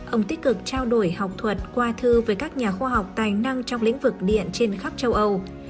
ông tích cực trao đổi học thuật qua thư với các nhà khoa học tài năng trong lĩnh vực điện trên khắp châu âu